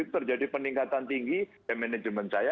terjadi peningkatan tinggi manajemen saya